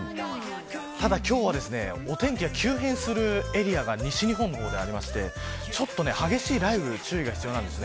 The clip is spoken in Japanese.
ただ今日は、お天気が急変するエリアが西日本の方でありましてちょっと激しい雷雨に注意が必要です。